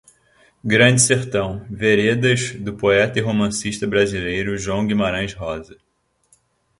Grande Sertão: Veredas, do poeta e romancista brasileiro João Guimarães Rosa